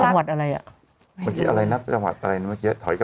จังหวัดอะไรอ่ะเมื่อกี้อะไรนับจังหวัดอะไรนะเมื่อกี้ถอยไป